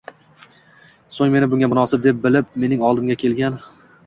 Soʻng meni bunga munosib deb bilib mening oldimga kelgan.